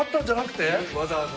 わざわざ。